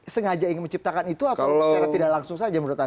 sengaja ingin menciptakan itu atau secara tidak langsung saja